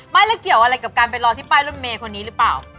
ไม่แล้วเกี่ยวอะไรกับการไปรอที่ป้ายรถเมย์คนนี้หรือเปล่า